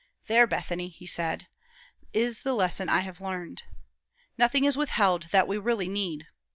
"There, Bethany," he said, "is the lesson I have learned. Nothing is withheld that we really need.